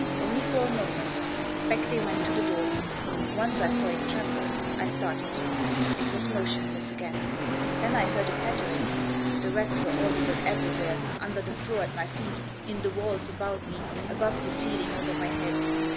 Only for a moment Back they went to the door. Once I saw it tremble. I started. It was motionless again. Then I heaitl a pattering. The rats were audible everywhere — under the floor at my feet, in the walls about me, above the ceiling over my head.